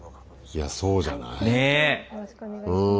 いやそうじゃない？ねえ？